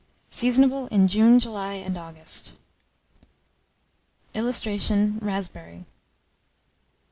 Seasonable in June, July, and August. [Illustration: RASPBERRY.